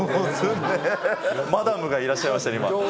マダムがいらっしゃいました、今。